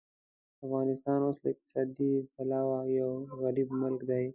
افغانستان اوس له اقتصادي پلوه یو غریب ملک دی.